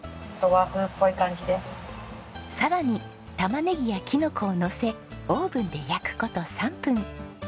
さらにタマネギやキノコをのせオーブンで焼くこと３分。